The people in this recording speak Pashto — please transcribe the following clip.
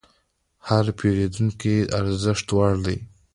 هر پیرودونکی د ارزښت وړ دی.